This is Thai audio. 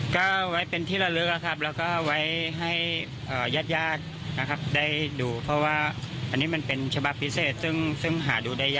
ก็ไว้เป็นที่ละลึกนะครับแล้วก็ไว้ให้ญาติญาตินะครับได้ดูเพราะว่าอันนี้มันเป็นฉบับพิเศษซึ่งหาดูได้ยาก